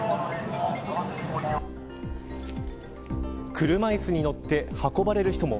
車椅子に乗って運ばれる人も。